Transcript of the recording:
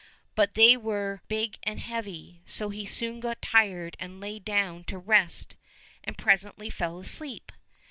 But they were big and heavy, so he soon got tired and lay down to rest, and presently fell asleep.